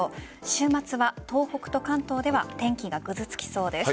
週末は東北と関東では天気がぐずつきそうです。